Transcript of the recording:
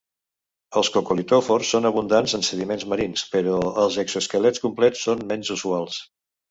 Els cocolitòfors són abundants en sediments marins, però els exosquelets complets són menys usuals.